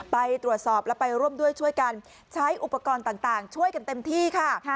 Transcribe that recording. ไปตรวจสอบและไปร่วมด้วยช่วยกันใช้อุปกรณ์ต่างช่วยกันเต็มที่ค่ะ